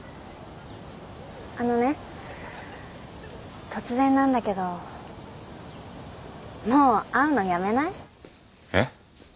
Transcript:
あのね突然なんだけどもう会うのやめない？えっ？